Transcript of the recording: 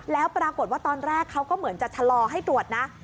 แล้วปรากฏว่าตอนแรกเขาก็เหมือนจะชะลอให้ตรวจนะ